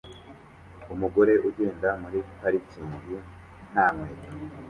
Umugore ugenda muri parikingi nta nkweto